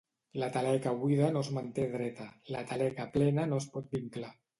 La taleca buida no es manté dreta; la taleca plena no es pot vinclar.